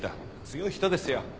強い人ですよ。